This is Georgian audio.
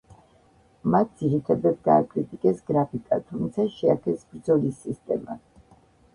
მათ ძირითადად გააკრიტიკეს გრაფიკა, თუმცა შეაქეს ბრძოლის სისტემა.